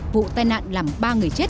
vụ tai nạn làm ba người chết